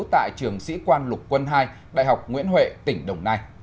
tại trường sĩ quan lục quân hai đại học nguyễn huệ tỉnh đồng nai